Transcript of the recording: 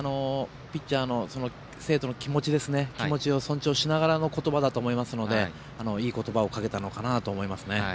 ピッチャーの、生徒の気持ちを尊重しながらの言葉だと思いますのでいい言葉をかけたなと思います。